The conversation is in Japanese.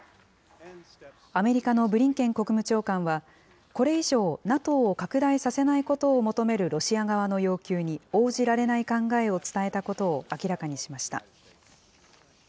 アメリカのブリンケン国務長官は、これ以上、ＮＡＴＯを拡大させないことを求めるロシア側の要求に応じられない考えを伝えたことを明らかにしました。